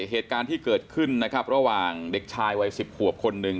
เหตุการณ์ที่เกิดขึ้นนะครับระหว่างเด็กชายวัย๑๐ขวบคนหนึ่ง